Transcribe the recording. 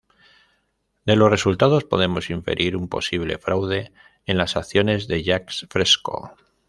De los resultados podemos inferir un posible fraude en las acciones de Jacques Fresco.